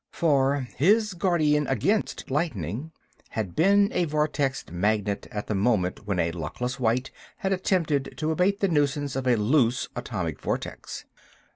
For his guardian against lightning had been a vortex magnet at the moment when a luckless wight had attempted to abate the nuisance of a "loose" atomic vortex.